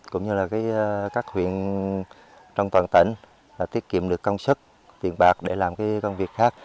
cũng như là các huyện trong toàn tỉnh tiết kiệm được công sức tiền bạc để làm công việc khác